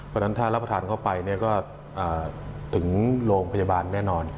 เพราะฉะนั้นถ้ารับประทานเข้าไปก็ถึงโรงพยาบาลแน่นอน